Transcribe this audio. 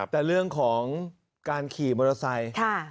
แต่เรื่องของการขี่มอเตอร์ไซค์